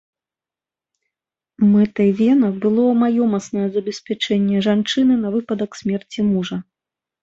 Мэтай вена было маёмаснае забеспячэнне жанчыны на выпадак смерці мужа.